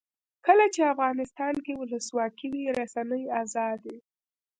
کله چې افغانستان کې ولسواکي وي رسنۍ آزادې وي.